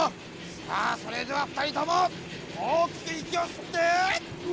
さあそれではふたりともおおきくいきをすって！